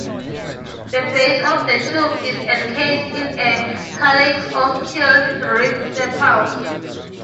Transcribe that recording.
The base of the tube is encased in a calyx of keeled, ribbed sepals.